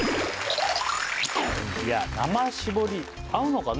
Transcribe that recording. いや生搾り合うのかね？